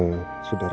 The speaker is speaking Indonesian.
saya menuju ke dapur